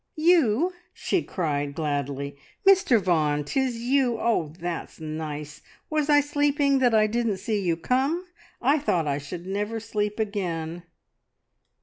"You!" she cried gladly, "Mr Vaughan, 'tis you! Oh, that's nice! Was I sleeping, that I didn't see you come? I thought I should never sleep again.